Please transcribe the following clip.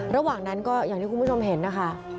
ระหว่างนั้นก็อย่างที่คุณผู้ชมเห็นนะคะ